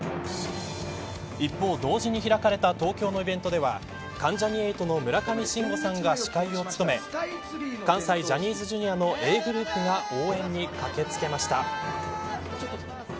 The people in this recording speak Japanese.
一方、同時に開かれた東京のイベントでは関ジャニ∞の村上信五さんが司会を務め関西ジャニーズジュニアのＡぇ！ｇｒｏｕｐが応援に駆け付けました。